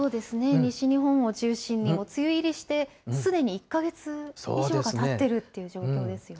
西日本を中心に梅雨入りして、すでに１か月以上がたってるという状態ですよね。